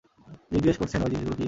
জিজ্ঞেস করছেন ওই জিনিসগুলো কী?